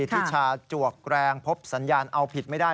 ทิชาจวกแรงพบสัญญาณเอาผิดไม่ได้